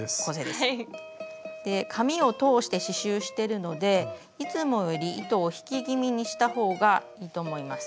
紙を通して刺しゅうしてるのでいつもより糸を引き気味にしたほうがいいと思います。